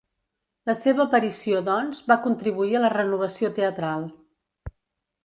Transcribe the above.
La seva aparició, doncs, va contribuir a la renovació teatral.